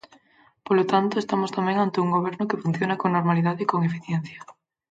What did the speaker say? Polo tanto, estamos tamén ante un goberno que funciona con normalidade e con eficiencia.